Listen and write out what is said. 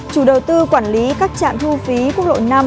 chủ đầu tư quản lý các trạm thu phí quốc lộ năm